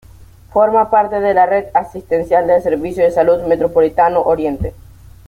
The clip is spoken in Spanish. Forma parte de la red asistencial del Servicio de Salud Metropolitano Oriente.